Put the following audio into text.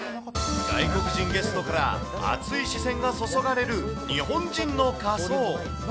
外国人ゲストから熱い視線が注がれる日本人の仮装。